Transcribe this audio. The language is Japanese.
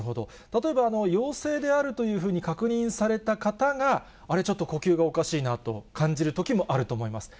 例えば陽性であるというふうに確認された方が、あれ、ちょっと呼吸がおかしいなと感じるときもあると思います。